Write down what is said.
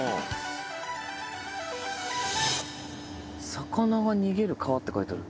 「魚が逃げる川」って書いてある。